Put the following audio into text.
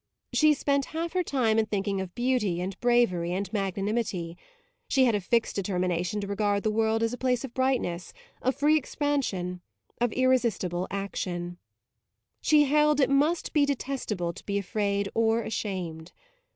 She spent half her time in thinking of beauty and bravery and magnanimity; she had a fixed determination to regard the world as a place of brightness, of free expansion, of irresistible action: she held it must be detestable to be afraid or ashamed.